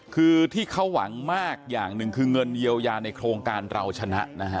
คือที่เขาหวังมากอย่างหนึ่งคือเงินเยียวยาในโครงการเราชนะนะฮะ